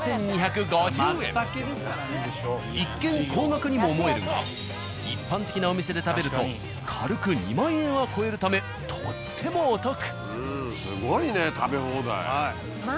一見高額にも思えるが一般的なお店で食べると軽く２万円は超えるためとってもお得。